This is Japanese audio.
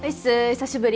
久しぶり。